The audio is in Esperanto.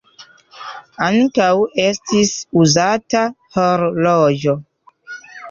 Ankaŭ estis uzata horloĝo.